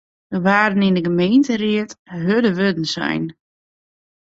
Der waarden yn de gemeenteried hurde wurden sein.